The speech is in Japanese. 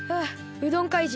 うどん怪人